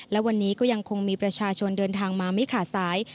และวันนี้ก็ยังคงมีประชาชนเดินทางมาไม่ขาดสาย